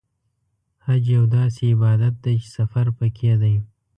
حج یو داسې عبادت دی چې سفر پکې دی.